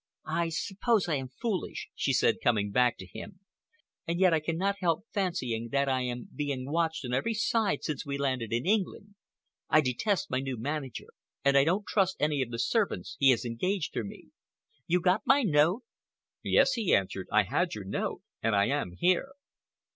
"I suppose I am foolish," she said, coming back to him, "and yet I cannot help fancying that I am being watched on every side since we landed in England. I detest my new manager, and I don't trust any of the servants he has engaged for me. You got my note?" "Yes," he answered, "I had your note—and I am here."